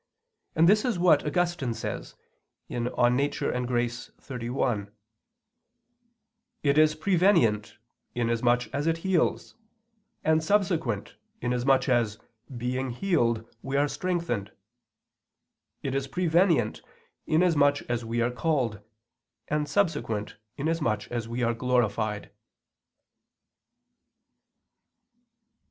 And this is what Augustine says (De Natura et Gratia xxxi): "It is prevenient, inasmuch as it heals, and subsequent, inasmuch as, being healed, we are strengthened; it is prevenient, inasmuch as we are called, and subsequent, inasmuch as we are glorified."